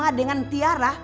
bersama dengan tiara